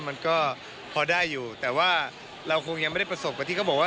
มันก็พอได้อยู่แต่ว่าเราคงยังไม่ได้ประสบกับที่เขาบอกว่า